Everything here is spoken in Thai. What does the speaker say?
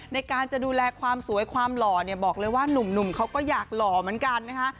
ในการจะดูแลความสวยความหล่อเนี่ยบอกเลยว่านุ่มเขาก็อยากหล่อเหมือนกันนะคะ